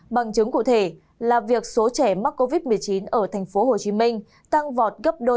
bằng chứng cụ thể là việc số trẻ mắc covid một mươi chín ở thành phố hồ chí minh tăng vọt gấp đôi